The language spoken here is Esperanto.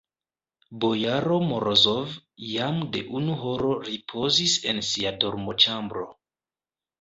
Bojaro Morozov jam de unu horo ripozis en sia dormoĉambro.